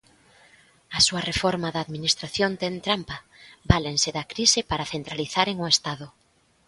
"A súa reforma da Administración ten trampa, válense da crise para centralizaren o estado".